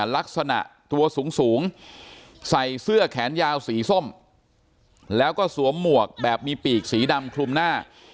ลักษณะตัวสูงใส่เสื้อแขนยาวสีส้มแล้วก็สวมหมวกแบบมีปีกสีดำคลุมหน้า